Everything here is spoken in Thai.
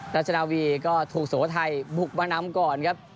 นาธารณาวียยก็ถูกสวทัยบุกมานำก่อนครับ